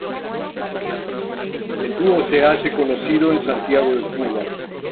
El dúo se hace conocido en Santiago de Cuba.